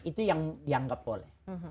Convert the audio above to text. itu yang dianggap boleh